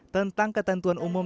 tentang ketentuan umum